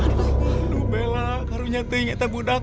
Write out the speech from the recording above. aduh bella kamu nyatain kita budak